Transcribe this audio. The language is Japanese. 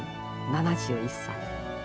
７１歳。